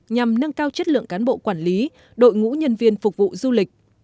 nhằm nâng cao chất lượng cán bộ quản lý đội ngũ nhân viên phục vụ du lịch